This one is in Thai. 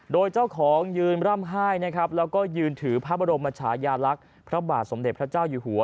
โดยเจ้าของยืนร่ำไห้นะครับแล้วก็ยืนถือพระบรมชายาลักษณ์พระบาทสมเด็จพระเจ้าอยู่หัว